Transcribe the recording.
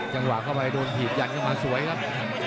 จังหวะเข้าไปโดนถีบยันเข้ามาสวยครับ